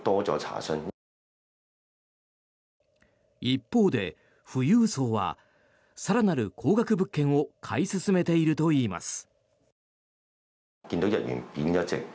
一方で、富裕層は更なる高額物件を買い進めているといいます。